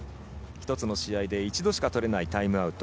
１つの試合で１度しか取れないタイムアウト。